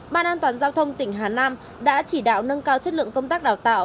ban an toàn giao thông tỉnh hà nam đã chỉ đạo nâng cao chất lượng công tác đào tạo